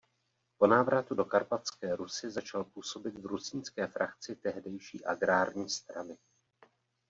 Po návratu do Karpatské Rusi začal působit v rusínské frakci tehdejší agrární strany.